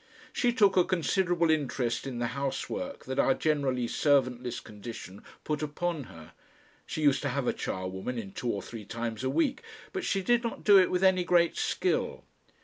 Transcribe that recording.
She took a considerable interest in the housework that our generally servantless condition put upon her she used to have a charwoman in two or three times a week but she did not do it with any great skill.